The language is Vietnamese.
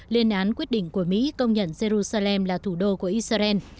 lên án quyết định của mỹ công nhận jerusalem là thủ đô của israel